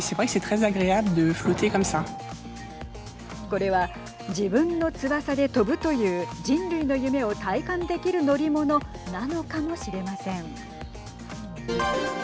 これは自分の翼で飛ぶという人類の夢を体感できる乗り物なのかもしれません。